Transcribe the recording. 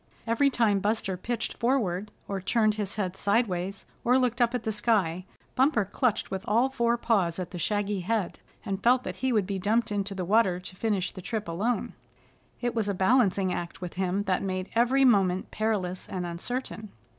Every time Buster pitched forward, or turned his head sideways or looked up at the sky, Bumper clutched with all four paws at the shaggy head, and felt that he would be dumped into the water to finish the trip alone. It was a balancing act with him that made every moment perilous and uncertain.